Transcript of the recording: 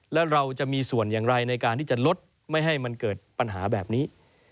แล้วเราจะมีส่วนอย่างไรในการที่จะลดไม่ให้มันเกิดปัญหาแบบนี้